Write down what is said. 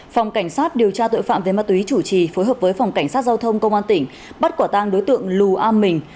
phòng cảnh sát điều tra tội phạm về ma túy chủ trì phối hợp với phòng cảnh sát giao thông công an tỉnh bắt quả tang đối tượng lù am mình